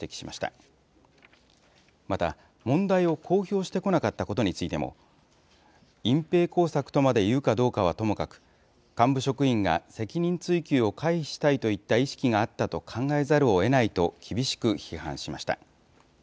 また、問題を公表してこなかったことについても、隠蔽工作とまでいうかどうかはともかく、幹部職員が責任追及を回避したいといった意識があったと考えざるをえないと厳しく批判しました。